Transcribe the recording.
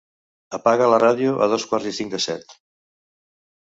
Apaga la ràdio a dos quarts i cinc de set.